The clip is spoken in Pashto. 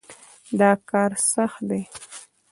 دا کار سخت دی.